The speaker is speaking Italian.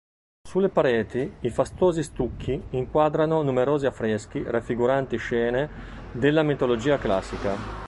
Sulle pareti i fastosi stucchi inquadrano numerosi affreschi raffiguranti scene della mitologia classica.